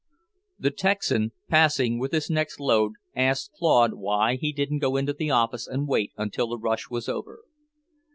The Texan, passing with his next load, asked Claude why he didn't go into the office and wait until the rush was over.